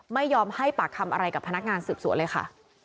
ไม่ยอมให้ปากคำอะไรกับพนักงานสืบสวนเลยค่ะ